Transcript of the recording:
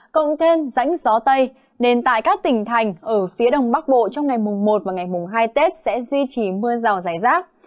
cộng thêm rãnh gió tây nên tại các tỉnh thành ở phía đông bắc bộ trong ngày mùng một và ngày mùng hai tết sẽ duy trì mưa rào rải rác